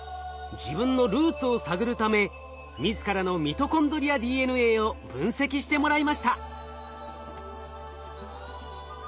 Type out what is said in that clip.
自分のルーツを探るため自らのミトコンドリアＤＮＡを分析してもらいました。